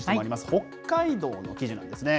北海道の記事なんですね。